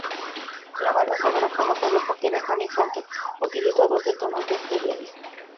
La banda sonora fue notable porque Benjamin Frankel utilizó doce tonos de serialismo.